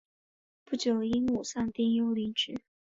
不久因母丧丁忧离职。